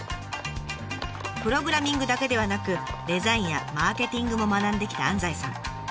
プログラミングだけではなくデザインやマーケティングも学んできた安西さん。